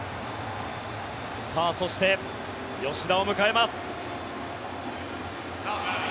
そして、吉田を迎えます。